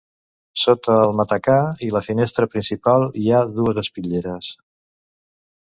Sota el matacà i la finestra principal hi ha dues espitlleres.